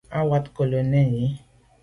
À wat nkelo nèn yi.